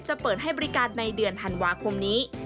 เปิดให้บริการในเดือนธันวาคมนี้